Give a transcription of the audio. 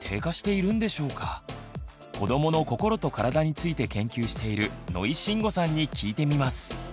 子どもの心と体について研究している野井真吾さんに聞いてみます。